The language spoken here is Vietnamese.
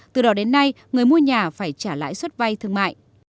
từ đó đến nay người mua nhà phải trả lãi xuất vai thương mại